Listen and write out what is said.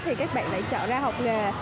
thì các bạn lại chọn ra học nghề